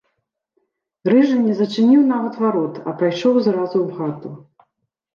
Рыжы не зачыніў нават варот, а пайшоў зразу ў хату.